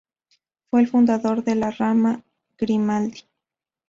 Fue el fundador de la rama "Grimaldi".